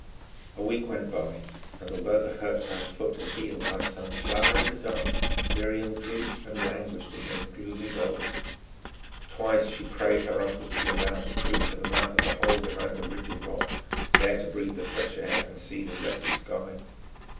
A week went by, and although the hurt to her foot had healed, like some flower in the dark Miriam drooped and languished in those gloomy vaults. Twice she prayed her uncle to be allowed to creep to the mouth of the hole behind the ridge of rock, there to breathe the fresh air and see the blessed sky.